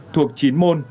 thuộc chín môn